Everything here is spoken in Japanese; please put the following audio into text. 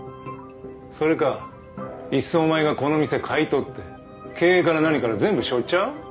それかいっそお前がこの店買い取って経営から何から全部しょっちゃう？